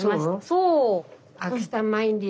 そう。